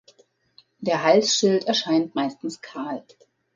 Der Halsschild erscheint meistens kahl.